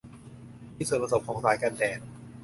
มีส่วนผสมของสารกันแดด